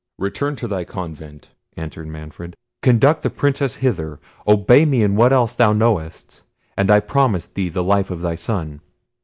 "Return to thy convent," answered Manfred; "conduct the Princess hither; obey me in what else thou knowest; and I promise thee the life of thy son."